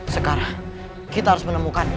sekarang kita harus menemukannya